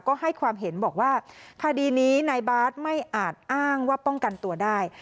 ก็ให้ความเห็นบอกว่าคดีนี้นายบาทไม่อาจอ้างว่าป้องกันตัวได้